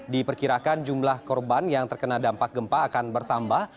diperkirakan jumlah korban yang terkena dampak gempa akan bertambah